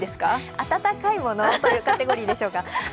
温かいものというカテゴリーでしょうか。